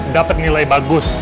dapet nilai bagus